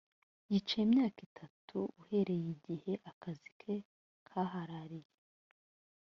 yicaye imyaka itatu uhereye igihe akazi ke kahaarariye